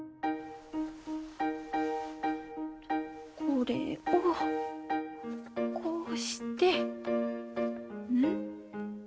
これをこうしてうん？